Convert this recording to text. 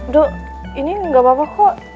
duh ini gak apa apa kok